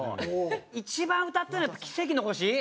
一番歌ってるのはやっぱ『奇跡の地球』。